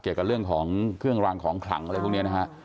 เกี่ยวกับเรื่องของเครื่องรางของขลังอะไรพวกนี้นะฮะ